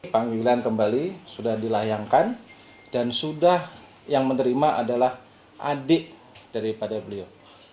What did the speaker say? panggilan kembali sudah dilayangkan dan sudah yang menerima adalah adik daripada beliau